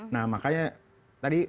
nah makanya tadi